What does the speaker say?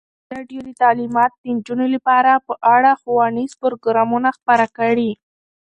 ازادي راډیو د تعلیمات د نجونو لپاره په اړه ښوونیز پروګرامونه خپاره کړي.